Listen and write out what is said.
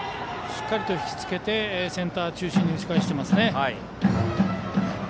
しっかり引き付けてセンター中心に打ち返しています。